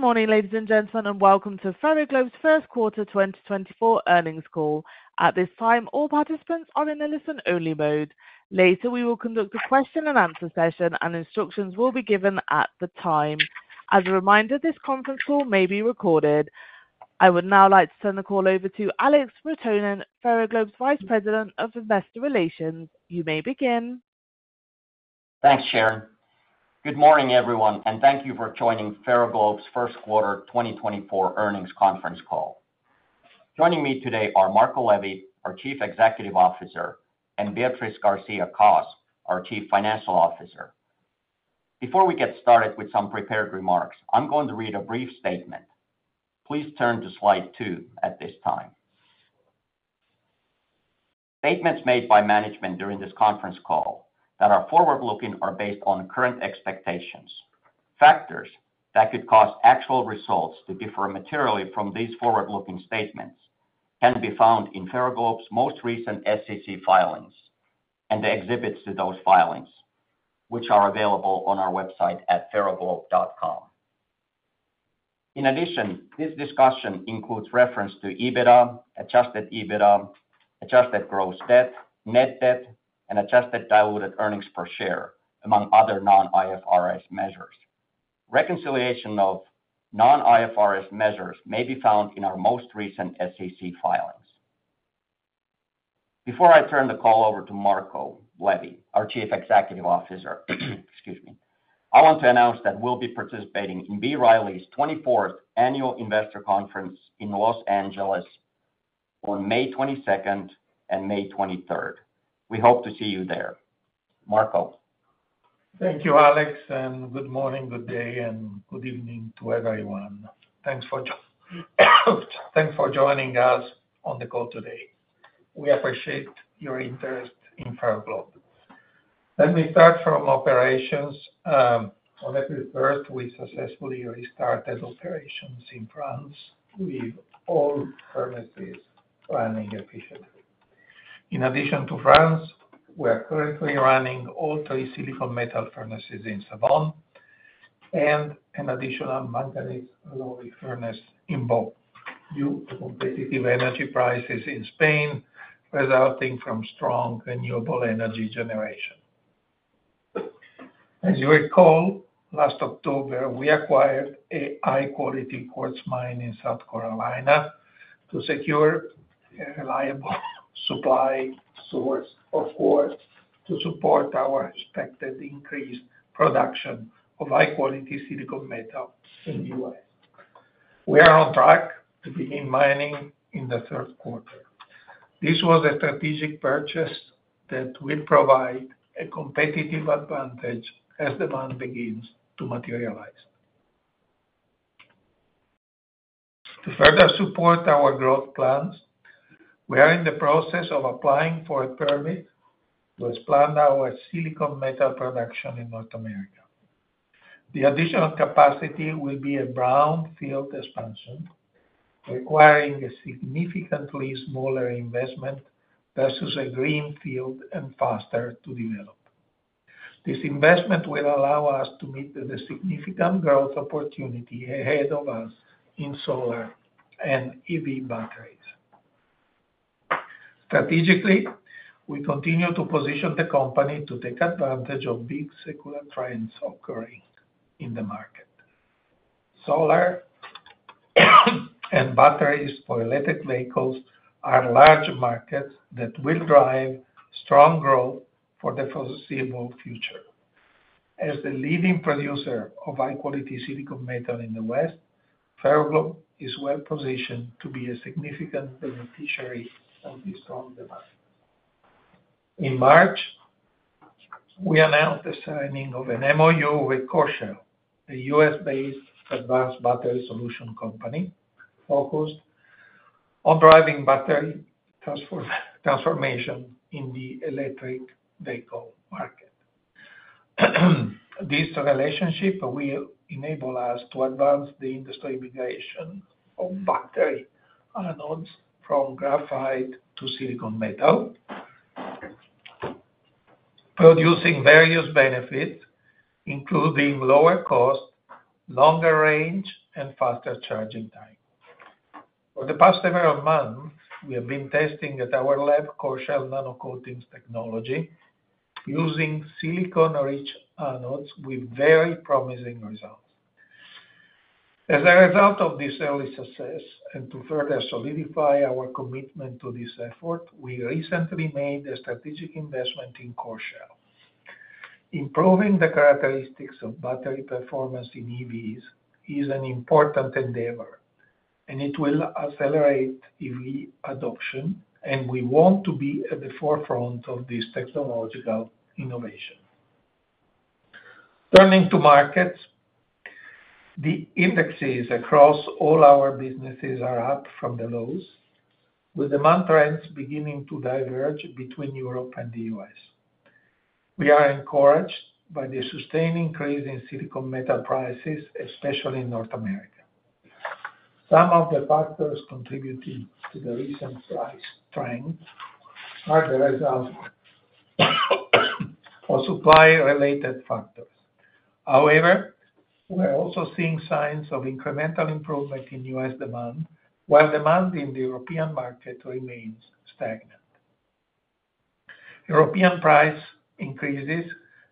Good morning, ladies and gentlemen, and welcome to Ferroglobe's Q1 2024 earnings call. At this time, all participants are in a listen-only mode. Later, we will conduct Q&A session, and instructions will be given at the time. As a reminder, this conference call may be recorded. I would now like to turn the call over to Alex Rotonen, Ferroglobe's Vice President of Investor Relations. You may begin. Thanks, Sharon. Good morning, everyone, and thank you for joining Ferroglobe's Q1 2024 earnings conference call. Joining me today Marco Levi, our Chief Executive Officer, Beatriz García-Cos, our Chief Financial Officer. Before we get started with some prepared remarks, I'm going to read a brief statement. Please turn to slide two at this time. Statements made by management during this conference call that are forward-looking are based on current expectations. Factors that could cause actual results to differ materially from these forward-looking statements can be found in Ferroglobe's most recent SEC filings and the exhibits to those filings, which are available on our website at ferroglobe.com. In addition, this discussion includes reference to EBITDA, Adjusted EBITDA, adjusted gross debt, net debt, and adjusted diluted earnings per share, among other non-IFRS measures. Reconciliation of non-IFRS measures may be found in our most recent SEC filings. Before I turn the call over Marco Levi, our Chief Executive Officer, excuse me, I want to announce that we'll be participating in B. Riley's 24th Annual Investor Conference in Los Angeles on May 22nd and May 23rd. We hope to see you there. Marco Levi? Thank you, Alex Rotonen, and good morning, good day, and good evening to everyone. Thanks for joining us on the call today. We appreciate your interest in Ferroglobe. Let me start from operations. On April 3rd, we successfully restarted operations in France, with all furnaces running efficiently. In addition to France, we are currently running all three silicon metal furnaces in Sabón and an additional manganese alloy furnace in Boo, due to competitive energy prices in Spain, resulting from strong renewable energy generation. As you recall, last October, we acquired a high-quality quartz mine in South Carolina to secure a reliable supply source of quartz to support our expected increased production of high-quality silicon metal in the U.S. We are on track to begin mining in the Q3. This was a strategic purchase that will provide a competitive advantage as demand begins to materialize. To further support our growth plans, we are in the process of applying for a permit to expand our silicon metal production in North America. The additional capacity will be a brownfield expansion, requiring a significantly smaller investment versus a greenfield and faster to develop. This investment will allow us to meet the significant growth opportunity ahead of us in solar and EV batteries. Strategically, we continue to position the company to take advantage of big secular trends occurring in the market. Solar and batteries for electric vehicles are large markets that will drive strong growth for the foreseeable future. As the leading producer of high-quality silicon metal in the West, Ferroglobe is well positioned to be a significant beneficiary of this strong demand. In March, we announced the signing of an MOU with Coreshell, a U.S.-based advanced battery solution company focused on driving battery transformation in the electric vehicle market. This relationship will enable us to advance the industry migration of battery anodes from graphite to silicon metal, producing various benefits, including lower cost, longer range, and faster charging time. For the past several months, we have been testing at our lab Coreshell nano-coatings technology using silicon-rich anodes with very promising results. As a result of this early success, and to further solidify our commitment to this effort, we recently made a strategic investment in Coreshell. Improving the characteristics of battery performance in EVs is an important endeavor, and it will accelerate EV adoption, and we want to be at the forefront of this technological innovation. Turning to markets, the indexes across all our businesses are up from the lows, with demand trends beginning to diverge between Europe and the U.S. We are encouraged by the sustaining increase in silicon metal prices, especially in North America. Some of the factors contributing to the recent price trend are the result of supply-related factors. However, we are also seeing signs of incremental improvement in U.S. demand, while demand in the European market remains stagnant. European price increases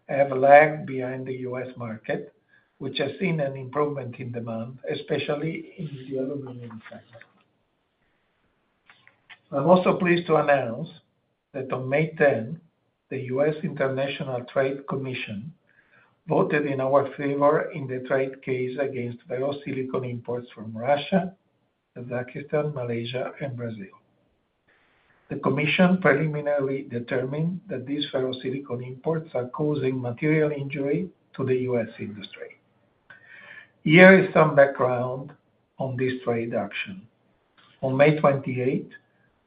have lagged behind the U.S. market, which has seen an improvement in demand, especially in the aluminum sector. I'm also pleased to announce that on May 10th, the U.S. International Trade Commission voted in our favor in the trade case against ferrosilicon imports from Russia, Kazakhstan, Malaysia, and Brazil. The commission preliminarily determined that these ferrosilicon imports are causing material injury to the U.S. industry. Here is some background on this trade action. On May 28th,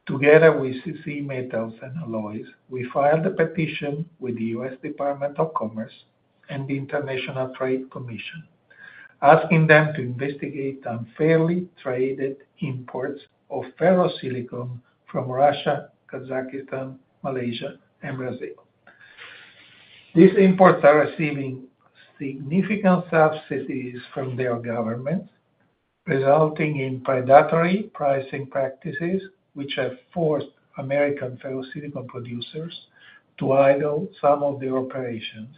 together with CC Metals and Alloys, we filed a petition with the U.S. Department of Commerce and the International Trade Commission, asking them to investigate unfairly traded imports of ferrosilicon from Russia, Kazakhstan, Malaysia, and Brazil. These imports are receiving significant subsidies from their government, resulting in predatory pricing practices, which have forced American ferrosilicon producers to idle some of their operations,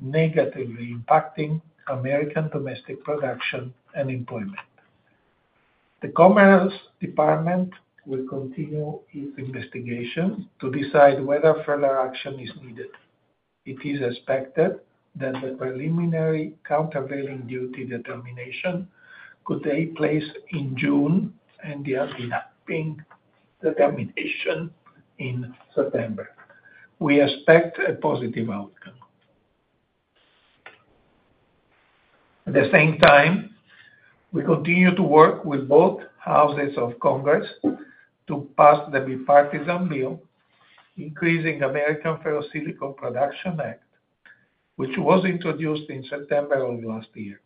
negatively impacting American domestic production and employment. The Commerce Department will continue its investigation to decide whether further action is needed. It is expected that the preliminary countervailing duty determination could take place in June, and the AD determination in September. We expect a positive outcome. At the same time, we continue to work with both houses of Congress to pass the Bipartisan Bill Increasing American Ferrosilicon Production Act, which was introduced in September of last year.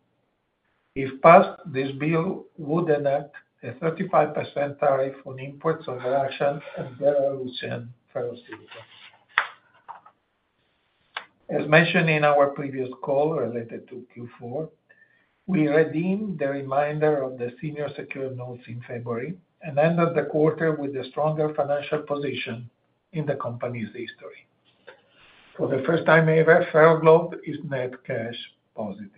If passed, this bill would enact a 35% tariff on imports of Russian and Belarusian ferrosilicon. As mentioned in our previous call related to Q4, we redeemed the remainder of the senior secured notes in February and ended the quarter with a stronger financial position in the company's history. For the first time ever, Ferroglobe is net cash positive.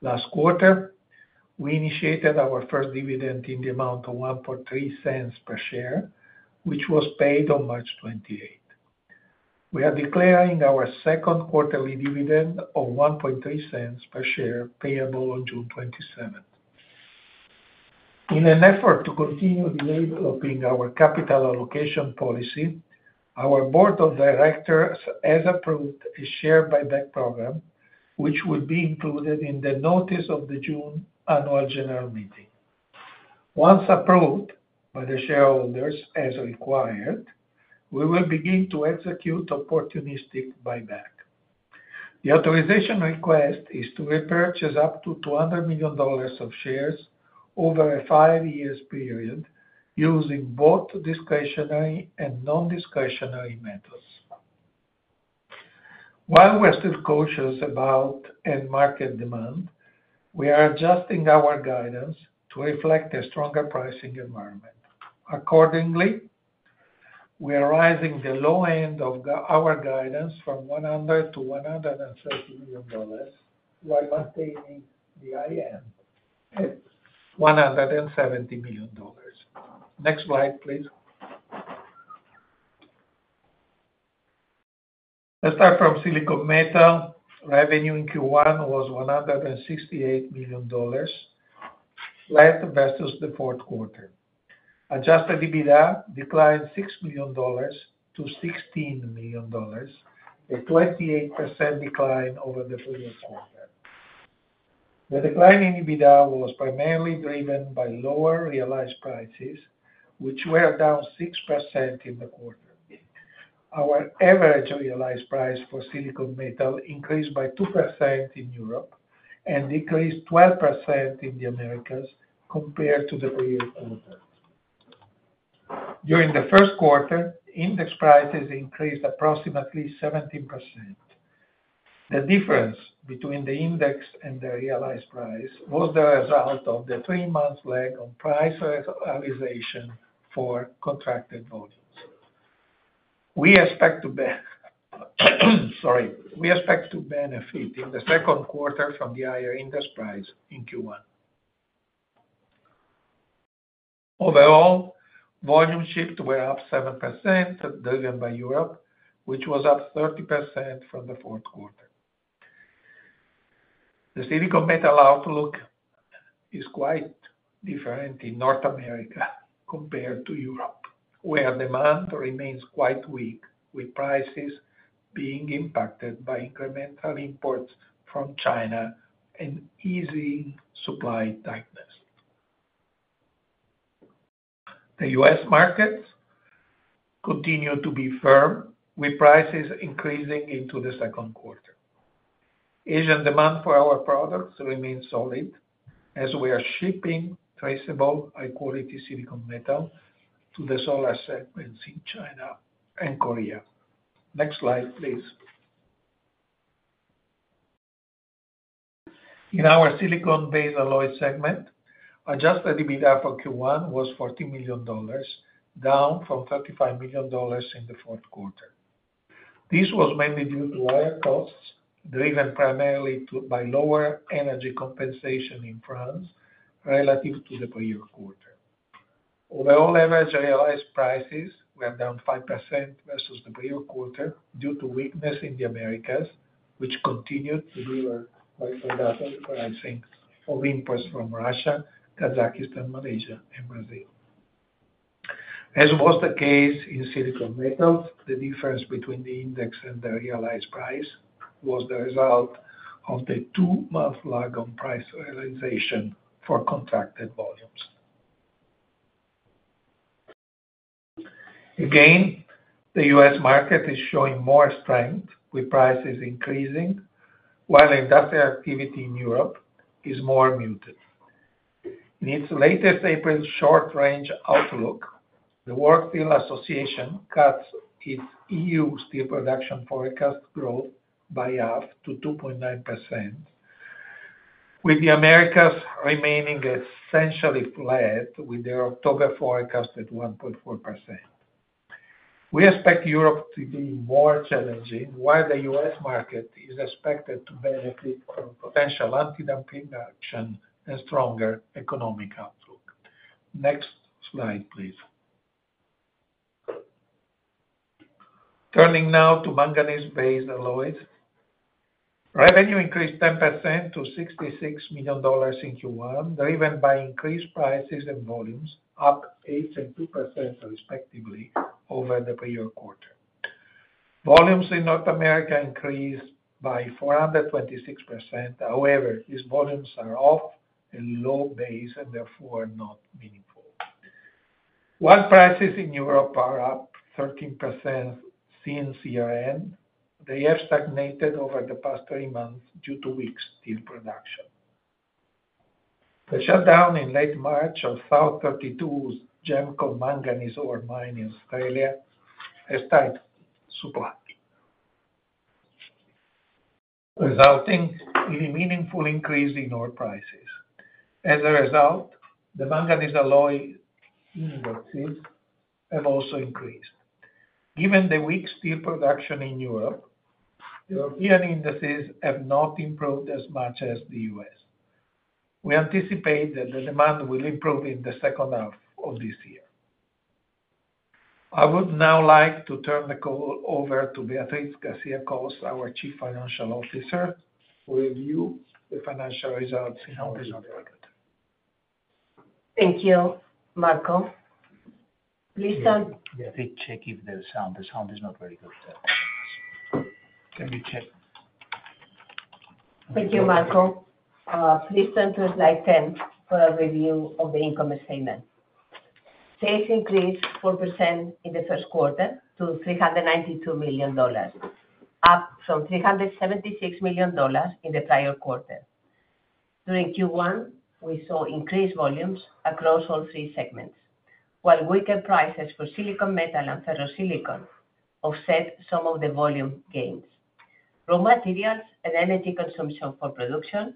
Last quarter, we initiated our first dividend in the amount of $0.013 per share, which was paid on March 28th. We are declaring our Q2ly dividend of $0.013 per share, payable on June 27th. In an effort to continue developing our capital allocation policy, our board of directors has approved a share buyback program, which will be included in the notice of the June annual general meeting. Once approved by the shareholders, as required, we will begin to execute opportunistic buyback. The authorization request is to repurchase up to $200 million of shares over a five year period, using both discretionary and non-discretionary methods. While we're still cautious about end market demand, we are adjusting our guidance to reflect a stronger pricing environment. Accordingly, we are raising the low end of our guidance from $100 million-$130 million, while maintaining the high end at $170 million. Next slide, please. Let's start from silicon metal. Revenue in Q1 was $168 million, flat versus the Q4. Adjusted EBITDA declined $6 million to $16 million, a 28% decline over the previous quarter. The decline in EBITDA was primarily driven by lower realized prices, which were down 6% in the quarter. Our average realized price for silicon metal increased by 2% in Europe and decreased 12% in the Americas compared to the previous quarter. During the Q1, index prices increased approximately 17%. The difference between the index and the realized price was the result of the three month lag on price realization for contracted volumes. We expect, sorry, to benefit in the Q2 from the higher index price in Q1. Overall, volume shipped were up 7%, driven by Europe, which was up 30% from the Q4. The silicon metal outlook is quite different in North America compared to Europe, where demand remains quite weak, with prices being impacted by incremental imports from China and easing supply tightness. ... The U.S. markets continue to be firm, with prices increasing into the Q2. Asian demand for our products remains solid, as we are shipping traceable, high-quality silicon metal to the solar segments in China and Korea. Next slide, please. In our silicon-based alloy segment, Adjusted EBITDA for Q1 was $40 million, down from $35 million in the Q4. This was mainly due to higher costs, driven primarily by lower energy compensation in France relative to the prior-quarter. Overall average realized prices were down 5% versus the prior-quarter due to weakness in the Americas, which continued to be lower pricing for imports from Russia, Kazakhstan, Malaysia, and Brazil. As was the case in silicon metal, the difference between the index and the realized price was the result of the two-month lag on price realization for contracted volumes. Again, the U.S. market is showing more strength, with prices increasing, while industrial activity in Europe is more muted. In its latest April short range outlook, the World Steel Association cuts its E.U. steel production forecast growth by half to 2.9%, with the Americas remaining essentially flat, with their October forecast at 1.4%. We expect Europe to be more challenging, while the U.S. market is expected to benefit from potential antidumping action and stronger economic outlook. Next slide, please. Turning now to manganese-based alloys. Revenue increased 10% to $66 million in Q1, driven by increased prices and volumes, up 8% and 2% respectively, over the prior-quarter. Volumes in North America increased by 426%. However, these volumes are off a low base and therefore not meaningful. While prices in Europe are up 13% since year-end, they have stagnated over the past three months due to weak steel production. The shutdown in late March of South32's GEMCO manganese ore mine in Australia has tight supply, resulting in a meaningful increase in ore prices. As a result, the manganese alloy indexes have also increased. Given the weak steel production in Europe, the European indices have not improved as much as the U.S. We anticipate that the demand will improve in the H2 of this year. I would now like to turn the call over Beatriz García-Cos, our Chief Financial Officer, to review the financial results in our market. Thank you, Marco Levi. Please tell- Yeah, quick check if the sound, the sound is not very good. Can you check? Thank you, Marco Levi. Please turn to slide 10 for a review of the income statement. Sales increased 4% in the Q1 to $392 million, up from $376 million in the prior-quarter. During Q1, we saw increased volumes across all three segments, while weaker prices for silicon metal and ferrosilicon offset some of the volume gains. Raw materials and energy consumption for production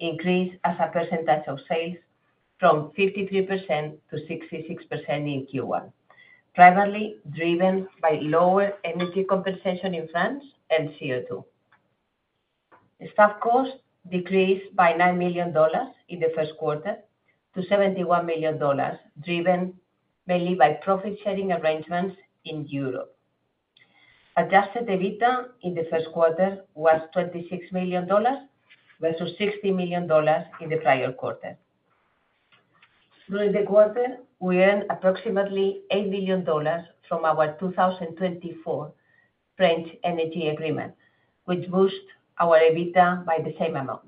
increased as a percentage of sales from 53% to 66% in Q1, primarily driven by lower energy compensation in France and CO2. The staff cost decreased by $9 million in the Q1 to $71 million, driven mainly by profit sharing arrangements in Europe. Adjusted EBITDA in the Q1 was $26 million, versus $60 million in the prior-quarter. During the quarter, we earned approximately $8 million from our 2024 French Energy agreement, which boosted our EBITDA by the same amount.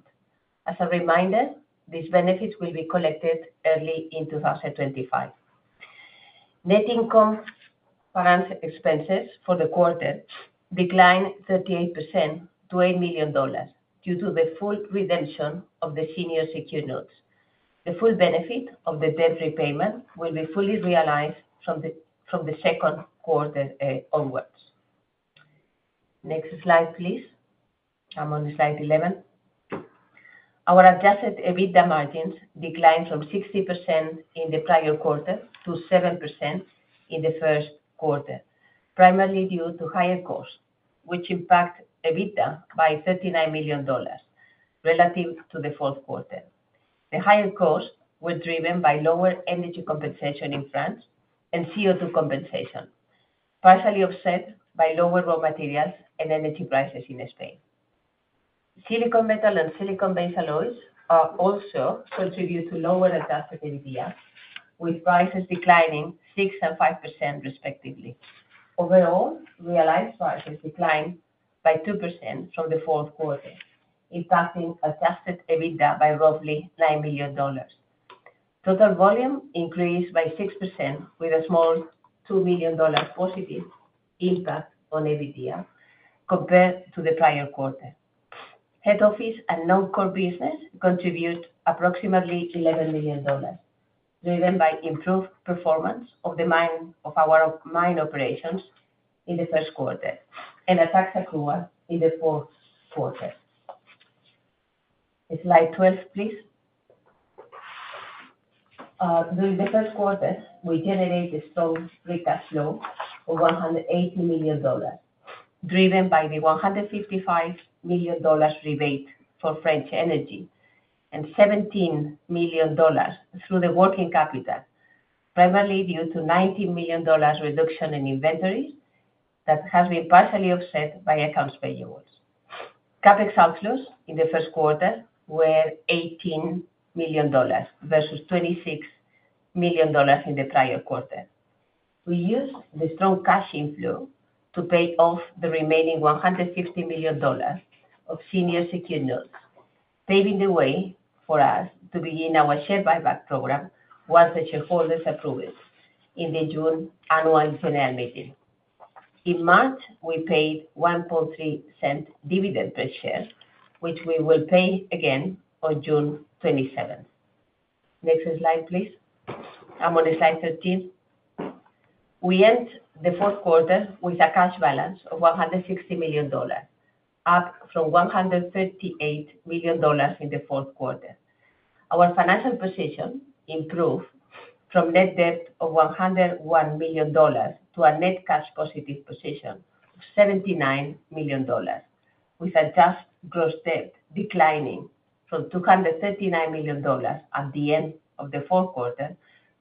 As a reminder, these benefits will be collected early in 2025. Net finance expenses for the quarter declined 38% to $8 million, due to the full redemption of the senior secured notes. The full benefit of the debt repayment will be fully realized from the Q2 onwards. Next slide, please. I'm on slide 11. Our Adjusted EBITDA margins declined from 60% in the prior-quarter to 7% in the Q1, primarily due to higher costs, which impacted EBITDA by $39 million relative to the Q4. The higher costs were driven by lower energy compensation in France and CO2 compensation, partially offset by lower raw materials and energy prices in Spain. Silicon metal and silicon-based alloys also contributed to lower Adjusted EBITDA, with prices declining 6% and 5%, respectively... Overall, realized prices declined by 2% from the Q4, impacting Adjusted EBITDA by roughly $9 million. Total volume increased by 6% with a small $2 million positive impact on EBITDA compared to the prior-quarter. Head office and non-core business contributed approximately $11 million, driven by improved performance of the mine, of our mine operations in the Q1, and Thaba Chueu in the Q4. Slide 12, please. During the Q1, we generated strong free cash flow of $180 million, driven by the $155 million rebate for French Energy, and $17 million through the working capital, primarily due to $90 million reduction in inventories that has been partially offset by accounts payables. CapEx outflows in the Q1 were $18 million versus $26 million in the prior-quarter. We used the strong cash inflow to pay off the remaining $150 million of senior secured notes, paving the way for us to begin our share buyback program once the shareholders approve it in the June annual general meeting. In March, we paid $0.013 dividend per share, which we will pay again on June 27th. Next slide, please. I'm on slide 13. We end the Q4 with a cash balance of $160 million, up from $138 million in the Q4. Our financial position improved from net debt of $101 million to a net cash positive position of $79 million, with adjusted gross debt declining from $239 million at the end of the Q4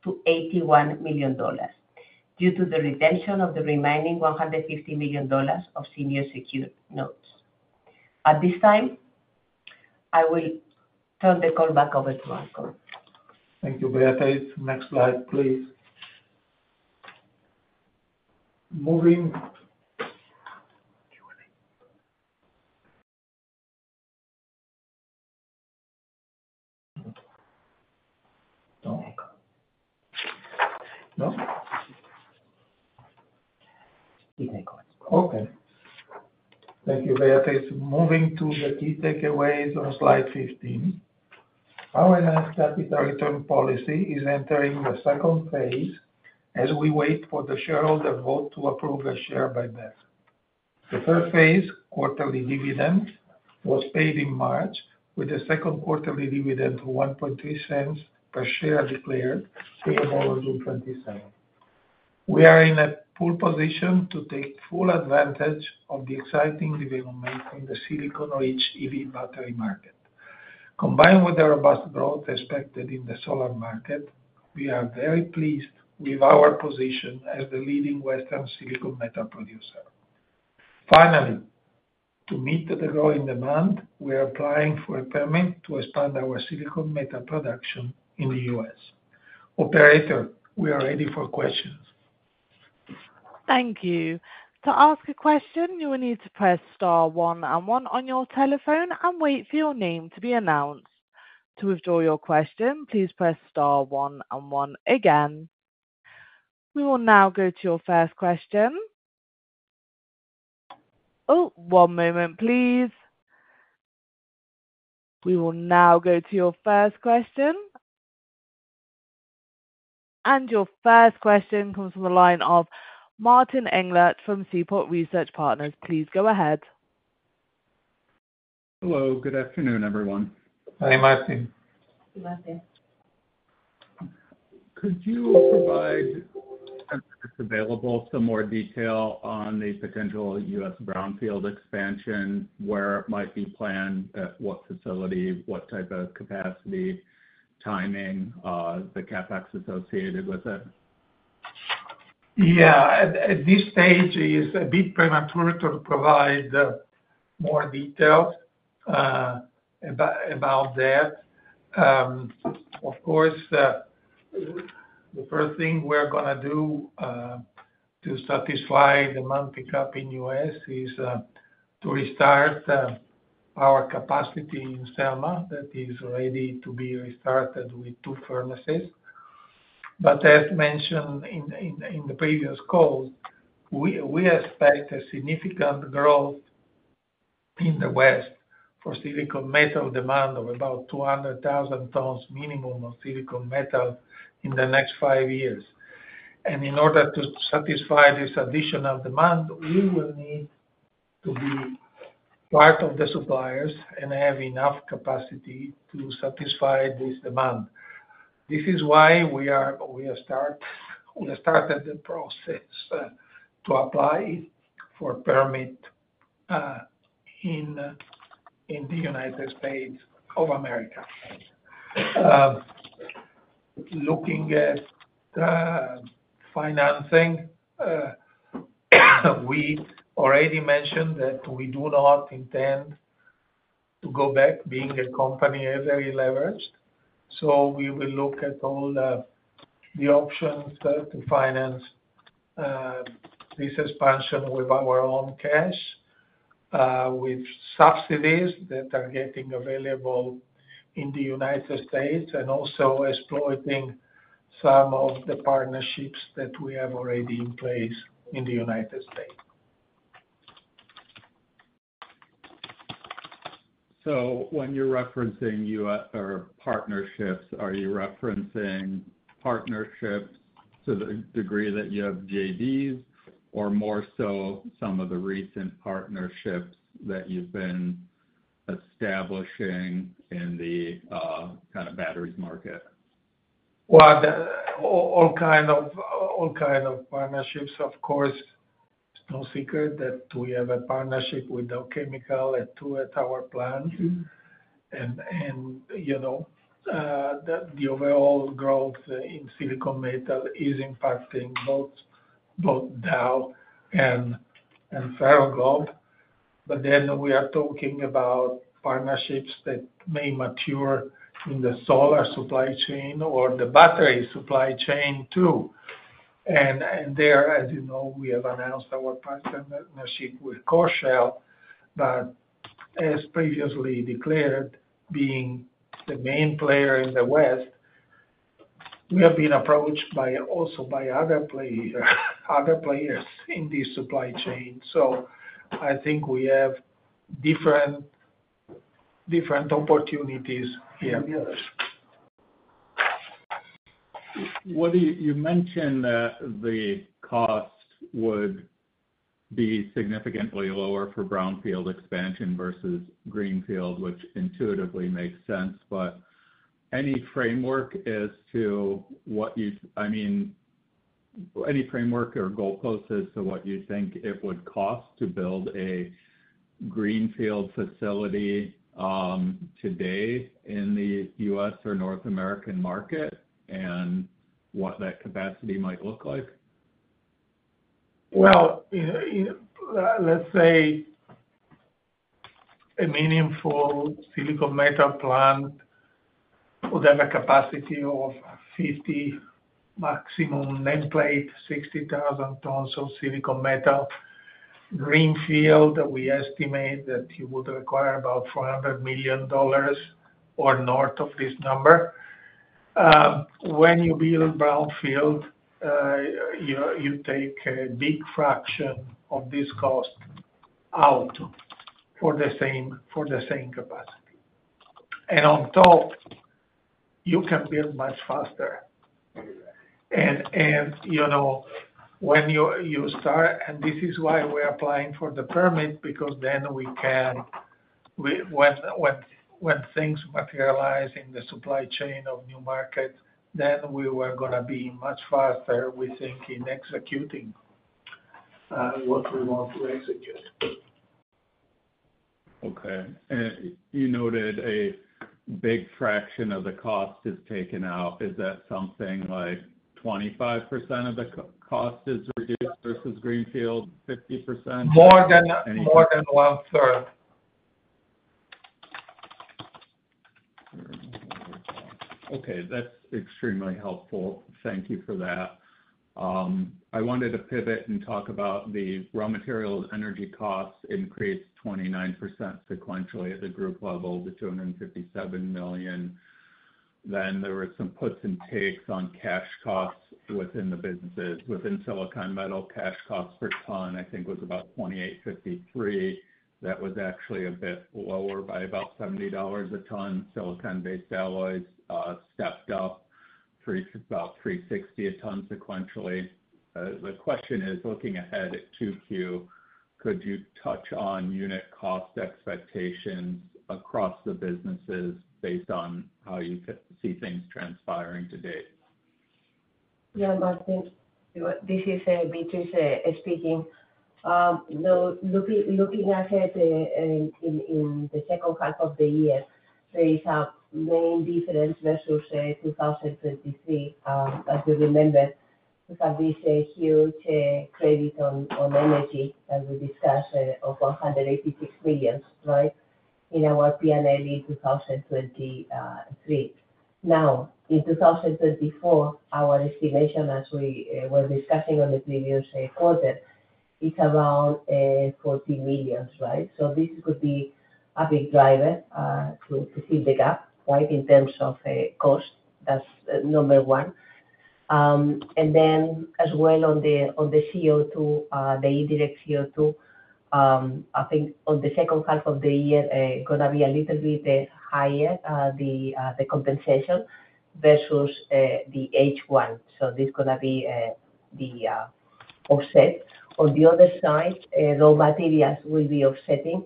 to $81 million, due to the redemption of the remaining $150 million of senior secured notes. At this time, I will turn the call back over to Marco Levi. Thank you, Beatriz García-Cos. Next slide, please. Thank you, Beatriz García-Cos. Moving to the key takeaways on slide 15. Our enhanced capital return policy is entering the second phase as we wait for the shareholder vote to approve the share buyback. The phase I, quarterly dividend, was paid in March, with the Q2ly dividend of $0.013 per share declared, payable on June 27th. We are in a good position to take full advantage of the exciting development in the silicon-rich EV battery market. Combined with the robust growth expected in the solar market, we are very pleased with our position as the leading western silicon metal producer. Finally, to meet the growing demand, we are applying for a permit to expand our silicon metal production in the U.S. Operator, we are ready for questions. Thank you. To ask a question, you will need to press star one and one on your telephone and wait for your name to be announced. To withdraw your question, please press star one and one again. We will now go to your first question. Oh, one moment, please. We will now go to your first question. Your first question comes from the line Martin Englert from Seaport Research Partners. Please go ahead. Hello, good afternoon, everyone. Hi, Martin Englert. Good afternoon. Could you provide, if available, some more detail on the potential U.S. brownfield expansion, where it might be planned, at what facility, what type of capacity, timing, the CapEx associated with it? Yeah. At this stage, it is a bit premature to provide more details about that. Of course, the first thing we're gonna do to satisfy the demand pickup in U.S. is to restart our capacity in Selma, that is ready to be restarted with two furnaces. But as mentioned in the previous call, we expect a significant growth in the West for silicon metal demand of about 200,000 tons minimum of silicon metal in the next five years. And in order to satisfy this additional demand, we will need to be part of the suppliers and have enough capacity to satisfy this demand. This is why we started the process to apply for a permit in the United States of America. Looking at financing, we already mentioned that we do not intend to go back, being a company, very leveraged. So we will look at all the options to finance this expansion with our own cash, with subsidies that are getting available in the United States, and also exploiting some of the partnerships that we have already in place in the United States. When you're referencing U.S. or partnerships, are you referencing partnerships to the degree that you have JVs, or more so some of the recent partnerships that you've been establishing in the kind of batteries market? Well, all kinds of partnerships, of course. It's no secret that we have a partnership with Dow Chemical at two of our plant. And, you know, that the overall growth in silicon metal is impacting both Dow Chemical and Ferroglobe. But then we are talking about partnerships that may mature in the solar supply chain or the battery supply chain, too. And there, as you know, we have announced our partnership with Coreshell. But as previously declared, being the main player in the West, we have been approached by also other players in this supply chain. So I think we have different opportunities here. You mentioned that the costs would be significantly lower for brownfield expansion versus greenfield, which intuitively makes sense. But any framework as to what you... I mean, any framework or goalposts as to what you think it would cost to build a greenfield facility, today in the U.S. or North American market, and what that capacity might look like? Well, let's say a meaningful silicon metal plant would have a capacity of 50 maximum nameplate, 60,000 tons of silicon metal. Greenfield, we estimate that you would require about $400 million or north of this number. When you build brownfield, you know, you take a big fraction of this cost out for the same capacity. And on top, you can build much faster. And you know, when you start, and this is why we're applying for the permit, because then we can, when things materialize in the supply chain of new markets, then we were gonna be much faster, we think, in executing what we want to execute. Okay. And you noted a big fraction of the cost is taken out. Is that something like 25% of the cost is reduced versus greenfield, 50%? More than, more than 1/3. Okay, that's extremely helpful. Thank you for that. I wanted to pivot and talk about the raw materials. Energy costs increased 29% sequentially at the group level to $257 million. Then there were some puts and takes on cash costs within the businesses. Within silicon metal, cash costs per ton, I think, was about $2,853. That was actually a bit lower by about $70 a ton. Silicon-based alloys stepped up for about $360 a ton sequentially. The question is, looking ahead at 2Q, could you touch on unit cost expectations across the businesses based on how you see things transpiring to date? Yeah, Martin Englert, this is Beatriz García-Cos speaking. So looking ahead in the H2 of the year, there is a main difference versus 2023. As you remember, because this a huge credit on energy, as we discussed, of $186 million, right, in our P&L in 2023. Now, in 2024, our estimation, as we were discussing on the previous quarter, it's around $14 million, right? So this could be a big driver to see the gap, right, in terms of cost. That's number one. And then as well, on the CO2, the indirect CO2, I think on the H2 of the year, gonna be a little bit higher, the compensation versus the H1. So this gonna be the offset. On the other side, raw materials will be offsetting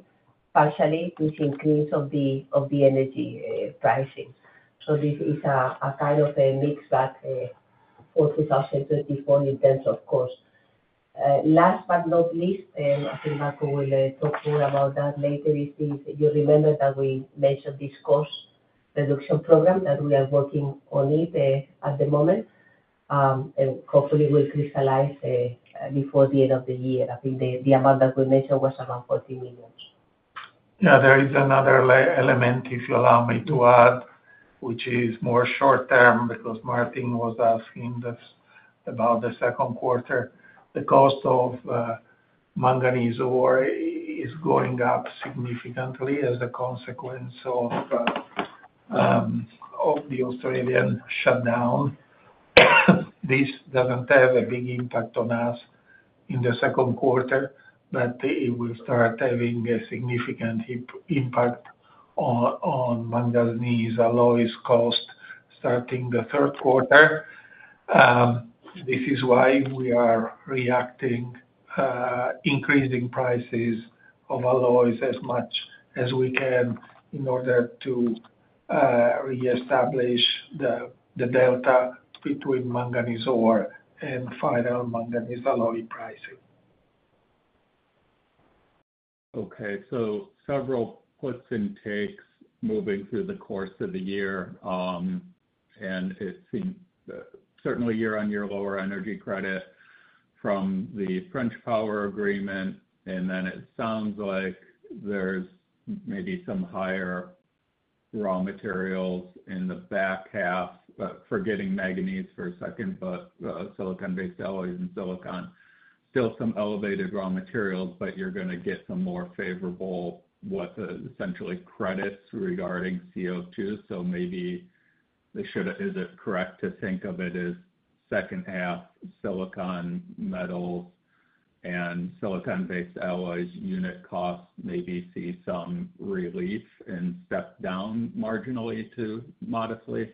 partially this increase of the energy pricing. So this is a kind of a mix that for 2024 in terms of cost. Last but not least, I think Marco Levi will talk to you about that later, is if you remember that we mentioned this cost reduction program, that we are working on it at the moment, and hopefully will crystallize before the end of the year. I think the amount that we mentioned was around $40 million. Yeah, there is another element, if you allow me to add, which is more short term, because Martin Englert was asking this about the Q2. The cost of manganese ore is going up significantly as a consequence of the Australian shutdown. This doesn't have a big impact on us in the Q2, but it will start having a significant impact on manganese alloys cost starting the Q3. This is why we are reacting, increasing prices of alloys as much as we can in order to reestablish the delta between manganese ore and final manganese alloy pricing. Okay. So several puts and takes moving through the course of the year. And it seems certainly year-on-year lower energy credit from the French power agreement, and then it sounds like there's maybe some higher raw materials in the back half, but forgetting manganese for a second, but silicon-based alloys and silicon. Still some elevated raw materials, but you're gonna get some more favorable, what, essentially credits regarding CO2. So maybe they should— Is it correct to think of it as H2 silicon metal and silicon-based alloys unit costs maybe see some relief and step down marginally to modestly?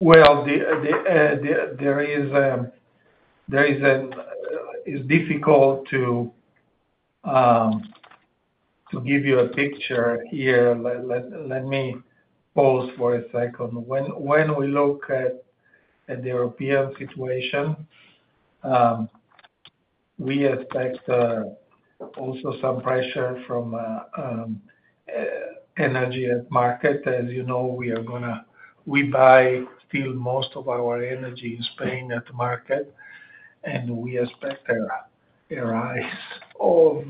Well, there is an... It's difficult to give you a picture here. Let me pause for a second. When we look at the European situation, we expect also some pressure from energy market. As you know, we are gonna buy still most of our energy in Spain at market, and we expect a rise of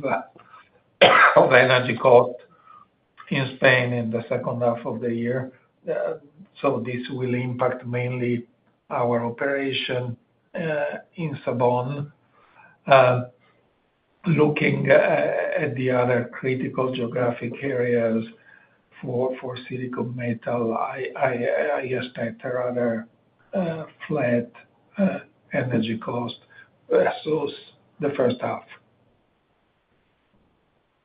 energy cost in Spain in the H2 of the year. So this will impact mainly our operation in Sabón. Looking at the other critical geographic areas for silicon metal, I expect a rather flat energy cost as in the H1.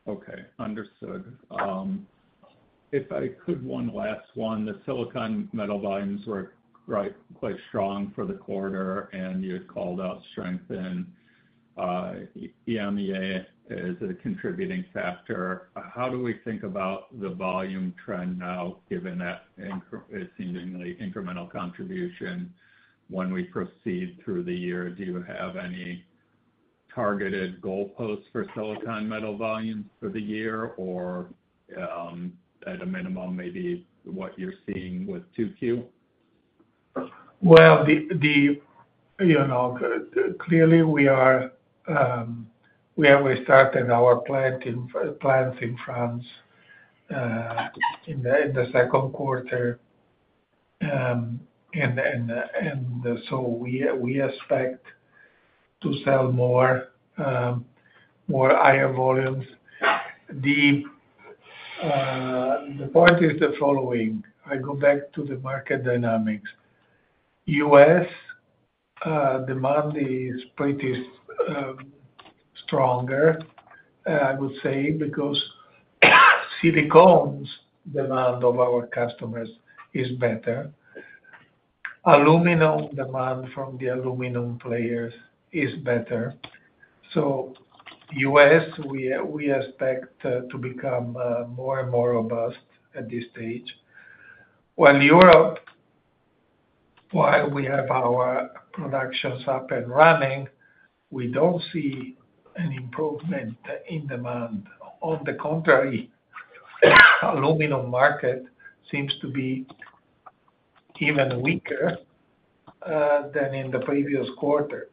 Okay, understood. If I could one last one. The silicon metal volumes were quite, quite strong for the quarter, and you had called out strength in EMEA as a contributing factor. How do we think about the volume trend now, given that seemingly incremental contribution when we proceed through the year? Do you have any targeted goalposts for silicon metal volumes for the year, or, at a minimum, maybe what you're seeing with 2Q? Well, you know, clearly, we are, we have restarted our plants in France in the Q2. And so we expect to sell more higher volumes. The point is the following: I go back to the market dynamics. U.S. demand is pretty stronger, I would say, because silicon's demand of our customers is better. Aluminum demand from the aluminum players is better. So U.S. we expect to become more and more robust at this stage. While Europe, while we have our productions up and running, we don't see an improvement in demand. On the contrary, aluminum market seems to be even weaker than in the previous quarters.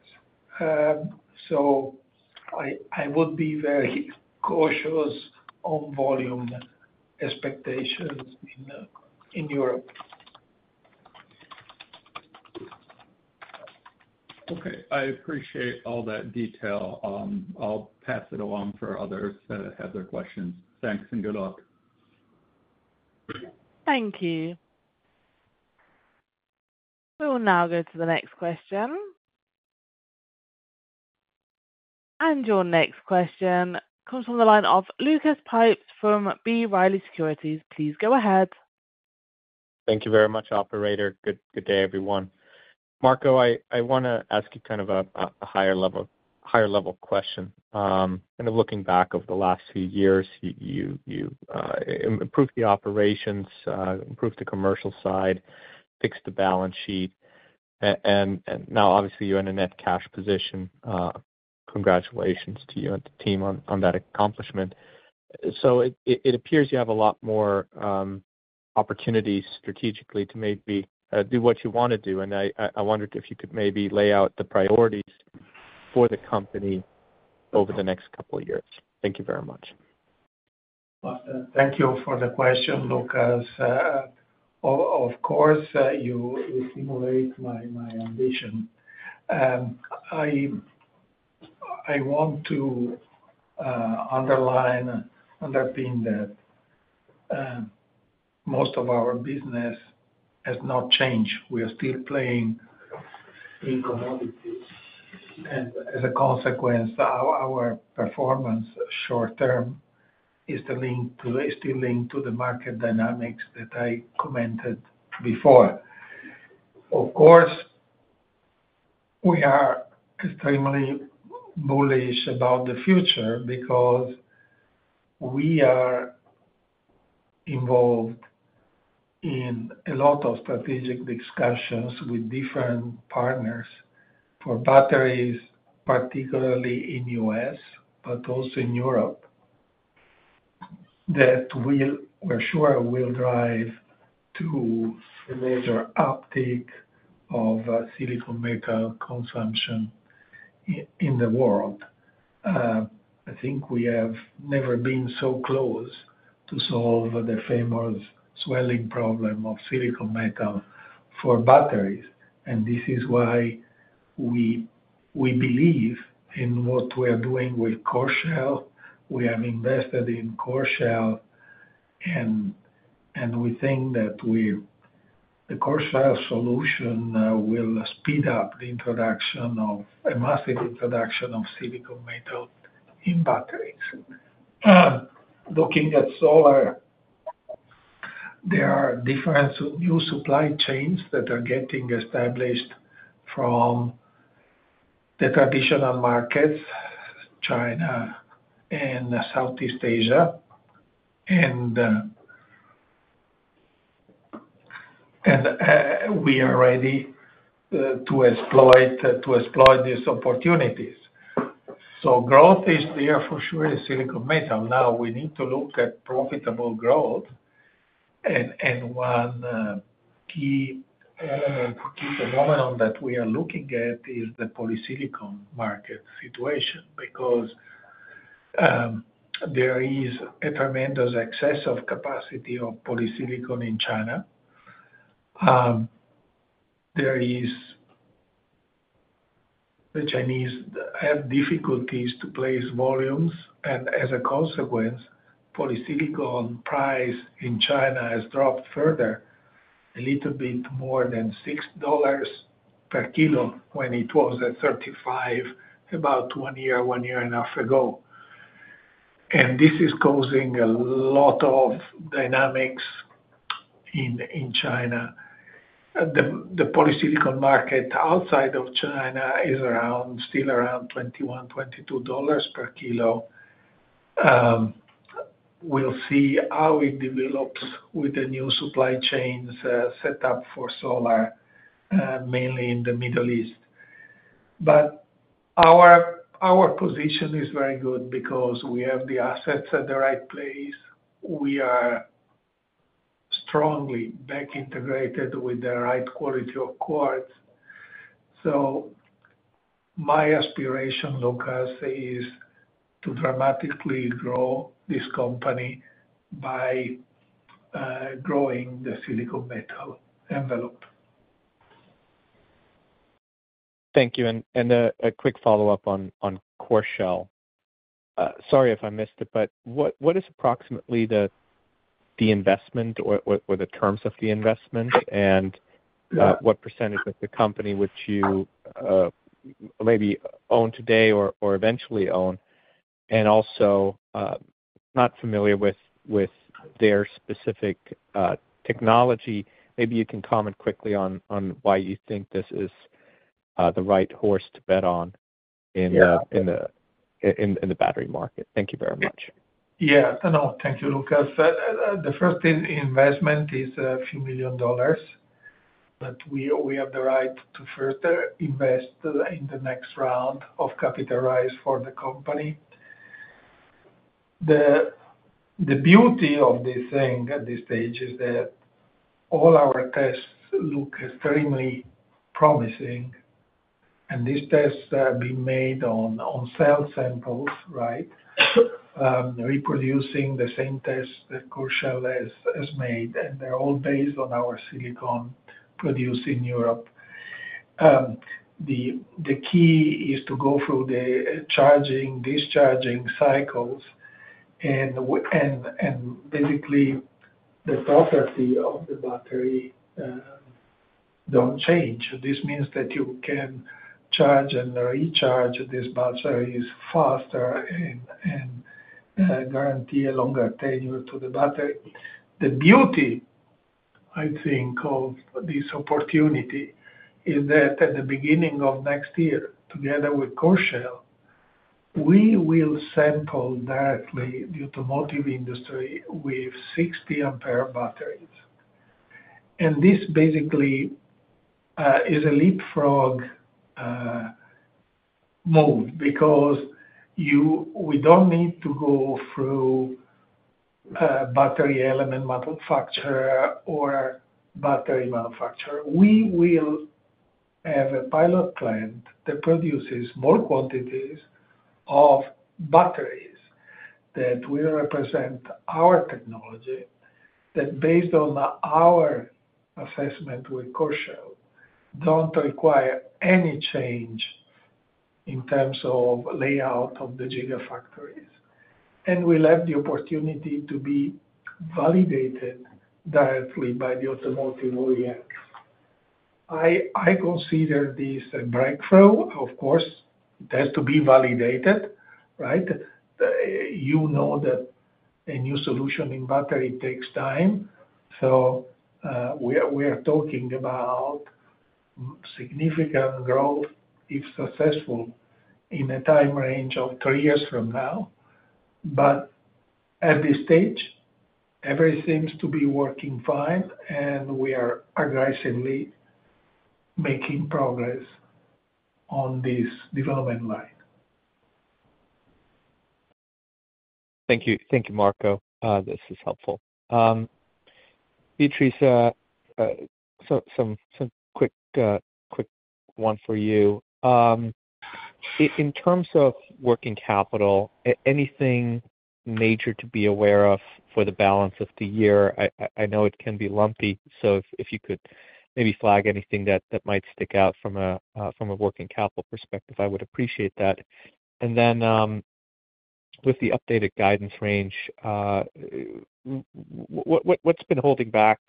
So I would be very cautious on volume expectations in Europe. Okay. I appreciate all that detail. I'll pass it along for others that have their questions. Thanks, and good luck. Thank you. We will now go to the next question. Your next question comes from the line of Lucas Pipes from B. Riley Securities. Please go ahead. Thank you very much, operator. Good day, everyone. Marco Levi, I wanna ask you kind of a higher level question. Kind of looking back over the last few years, you improved the operations, improved the commercial side, fixed the balance sheet, and now obviously, you're in a net cash position. Congratulations to you and the team on that accomplishment. So it appears you have a lot more opportunities strategically to maybe do what you wanna do, and I wondered if you could maybe lay out the priorities for the company over the next couple of years. Thank you very much. Thank you for the question, Lucas Pipes. Of course, you stimulate my ambition. I want to underline that most of our business has not changed. We are still playing in commodities, and as a consequence, our performance short term is still linked to the market dynamics that I commented before. Of course, we are extremely bullish about the future because we are involved in a lot of strategic discussions with different partners for batteries, particularly in U.S., but also in Europe, that we're sure will drive to a major uptick of silicon metal consumption in the world. I think we have never been so close to solve the famous swelling problem of silicon metal for batteries, and this is why we believe in what we are doing with Coreshell. We have invested in Coreshell, and we think that we the Coreshell solution will speed up the introduction of a massive introduction of silicon metal in batteries. Looking at solar, there are different new supply chains that are getting established from the traditional markets, China and Southeast Asia. And we are ready to exploit these opportunities. So growth is there for sure in silicon metal. Now, we need to look at profitable growth and one key element, key component that we are looking at is the polysilicon market situation. Because there is a tremendous excess of capacity of polysilicon in China. There is... The Chinese have difficulties to place volumes, and as a consequence, polysilicon price in China has dropped further, a little bit more than $6 per kg when it was at $35, about one year, one year and 1/2 ago. This is causing a lot of dynamics in China. The polysilicon market outside of China is around, still around $21-$22 per kg. We'll see how it develops with the new supply chains set up for solar, mainly in the Middle East. But our position is very good because we have the assets at the right place. We are strongly back integrated with the right quality of quartz. So my aspiration, Lucas Pipes, is to dramatically grow this company by growing the silicon metal envelope. Thank you. And a quick follow-up on Coreshell. Sorry if I missed it, but what is approximately the investment or the terms of the investment? And- Yeah. What percentage of the company which you maybe own today or eventually own? And also, not familiar with their specific technology. Maybe you can comment quickly on why you think this is the right horse to bet on in the- Yeah. in the battery market. Thank you very much. Yeah. No, no. Thank you, Lucas Pipes. The first thing, investment is a few million dollars, but we have the right to further invest in the next round of capitalize for the company. The beauty of this thing at this stage is that all our tests look extremely promising, and these tests are being made on cell samples, right? Reproducing the same test that Coreshell has made, and they're all based on our silicon produced in Europe. The key is to go through the charging, discharging cycles, and basically, the property of the battery don't change. This means that you can charge and recharge these batteries faster and guarantee a longer tenure to the battery. The beauty, I think, of this opportunity is that at the beginning of next year, together with Coreshell, we will sample directly the automotive industry with 60 amp batteries. And this basically is a leapfrog move because you -- we don't need to go through battery element manufacturer or battery manufacturer. We will have a pilot plant that produces more quantities of batteries that will represent our technology, that based on our assessment with Coreshell, don't require any change in terms of layout of the gigafactories. And we'll have the opportunity to be validated directly by the automotive OEM. I consider this a breakthrough. Of course, it has to be validated, right? You know that a new solution in battery takes time. So, we are talking about significant growth, if successful, in a time range of three years from now. At this stage, everything seems to be working fine, and we are aggressively making progress on this development line. Thank you. Thank you, Marco Levi. This is helpful. Beatriz García-Cos, so a quick one for you. In terms of working capital, anything major to be aware of for the balance of the year? I know it can be lumpy, so if you could maybe flag anything that might stick out from a working capital perspective, I would appreciate that. And then, with the updated guidance range, what's been holding back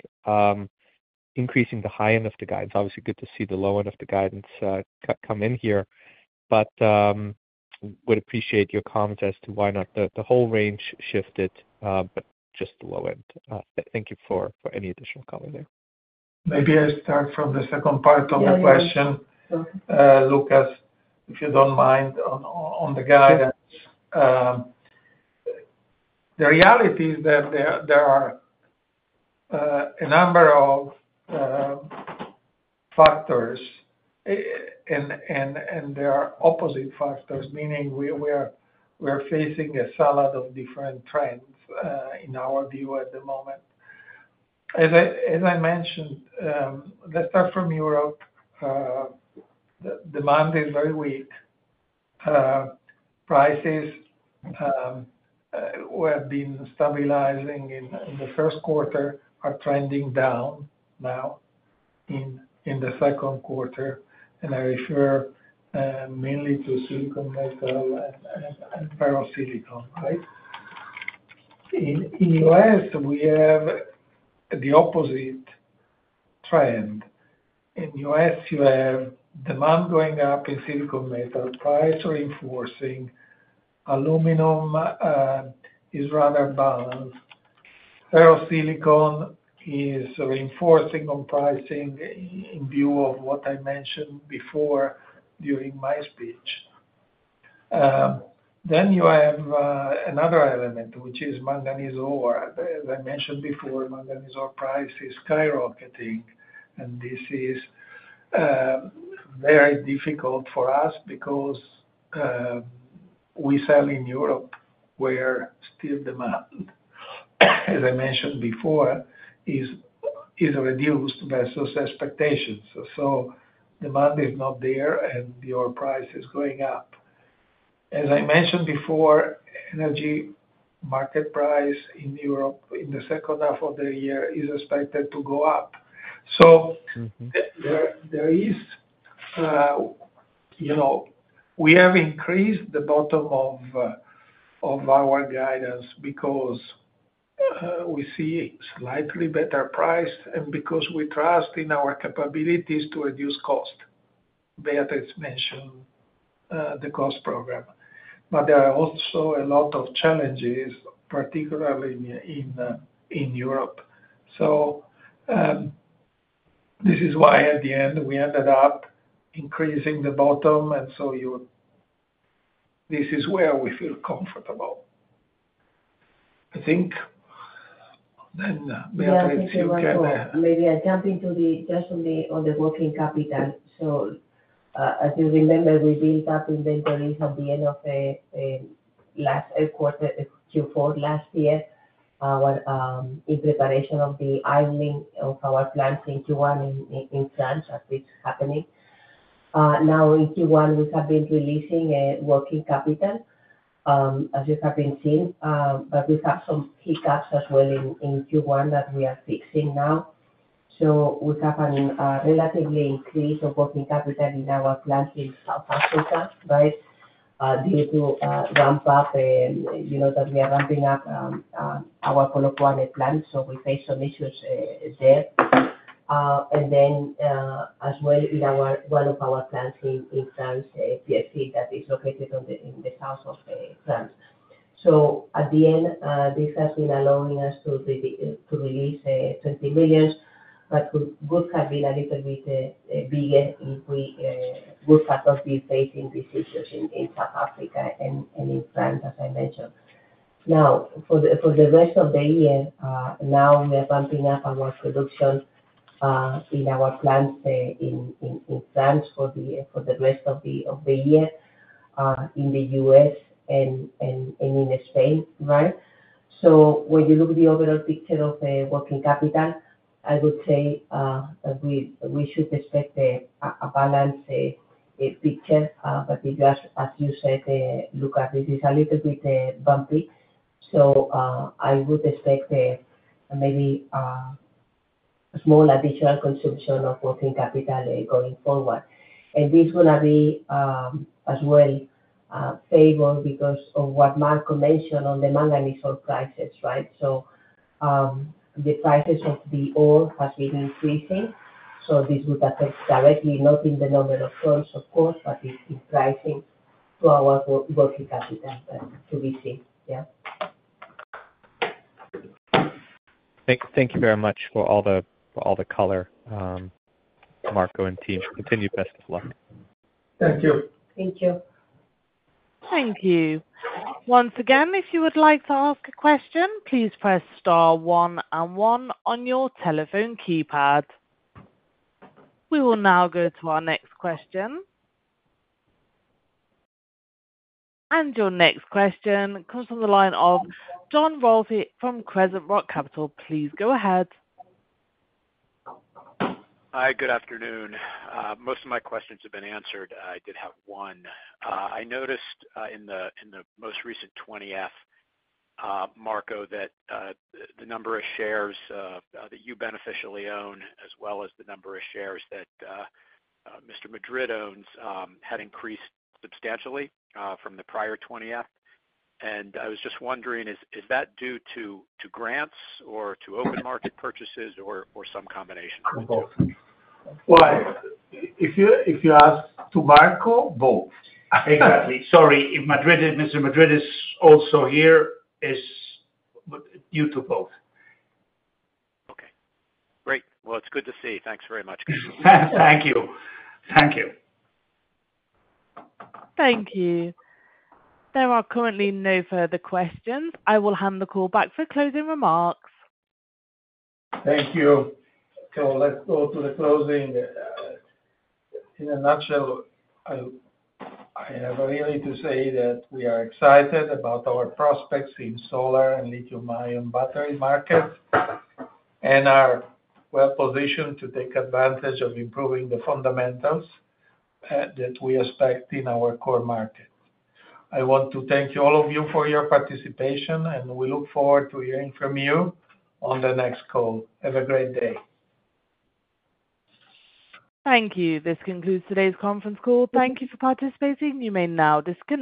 increasing the high end of the guidance? Obviously, good to see the low end of the guidance come in here, but would appreciate your comment as to why not the whole range shifted, but just the low end. Thank you for any additional comment there. Maybe I start from the second part of the question- Yeah. Lucas Pipes, if you don't mind, on the guidance. Sure. The reality is that there are a number of factors, and there are opposite factors, meaning we're facing a salad of different trends in our view at the moment. As I mentioned, let's start from Europe, the demand is very weak. Prices were being stabilizing in the Q1, are trending down now in the Q2, and I refer mainly to silicon metal and ferrosilicon, right? In U.S., we have the opposite trend. In U.S., you have demand going up in silicon metal, price reinforcing. Aluminum is rather balanced. Ferrosilicon is reinforcing on pricing in view of what I mentioned before during my speech. Then you have another element, which is manganese ore. As I mentioned before, manganese ore price is skyrocketing, and this is very difficult for us because we sell in Europe, where steel demand, as I mentioned before, is reduced by those expectations. So demand is not there, and the ore price is going up. As I mentioned before, energy market price in Europe in the H2 of the year is expected to go up. So- Mm-hmm. There, there is, you know, we have increased the bottom of our guidance because we see slightly better price and because we trust in our capabilities to reduce cost. Beatriz García-Cos has mentioned the cost program. But there are also a lot of challenges, particularly in Europe. So, this is why at the end, we ended up increasing the bottom, and so you—this is where we feel comfortable. I think, then, Beatriz García-Cos, if you can. Yeah, thank you, Marco Levi. Maybe I jump into the, just on the, on the working capital. So, as you remember, we built up inventories at the end of last quarter, Q4 last year, where in preparation of the idling of our plants in Q1 in France, as it's happening. Now in Q1, we have been releasing working capital, as you have been seeing, but we have some hiccups as well in Q1 that we are fixing now. So we have a relatively increase of working capital in our plant in South Africa, right? Due to ramp up and, you know, that we are ramping-up our Polokwane plant, so we face some issues there. And then, as well in our one of our plants in France, Pierrefitte that is located in the south of France. So at the end, this has been allowing us to release $20 million, but could have been a little bit bigger if we would not be facing these issues in South Africa and in France, as I mentioned. Now, for the rest of the year, we are bumping up our production in our plants in the U.S. and in Spain, right? So when you look at the overall picture of the working capital, I would say that we should expect a balanced picture, but because as you said, looking at it is a little bit bumpy. So I would expect maybe a small additional consumption of working capital going forward. And this is gonna be as well favorable because of what Marco Levi mentioned on the manganese ore prices, right? So the prices of the ore has been increasing, so this would affect directly, not in the number of tons, of course, but it's pricing to our working capital to be safe. Yeah. Thank you very much for all the color, Marco Levi and team. Continued best of luck. Thank you. Thank you. Thank you. Once again, if you would like to ask a question, please press star one and one on your telephone keypad. We will now go to our next question. Your next question comes from the line of John Valtz from Crescent Rock Capital. Please go ahead. Hi, good afternoon. Most of my questions have been answered. I did have one. I noticed, in the most recent 20-F, Marco Levi, that the number of shares that you beneficially own, as well as the number of shares that Mr. Javier Madrid owns, had increased substantially, from the prior 20-F. And I was just wondering, is that due to grants or to open market purchases or some combination of both? Well, if you ask Marco Levi, both. Exactly. Sorry, Mr. Javier Madrid is also here, is due to both. Okay, great. Well, it's good to see you. Thanks very much. Thank you. Thank you. Thank you. There are currently no further questions. I will hand the call back for closing remarks. Thank you. So let's go to the closing. In a nutshell, I have really to say that we are excited about our prospects in solar and lithium-ion battery markets, and are well positioned to take advantage of improving the fundamentals that we expect in our core markets. I want to thank you, all of you, for your participation, and we look forward to hearing from you on the next call. Have a great day. Thank you. This concludes today's conference call. Thank you for participating. You may now disconnect.